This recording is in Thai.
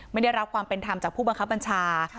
ไม่ได้รับความเป็นธรรมจากผู้บังคับบัญชา